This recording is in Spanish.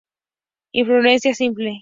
Inflorescencia simple.